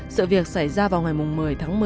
sự việc xảy ra vào ngày một mươi tháng một mươi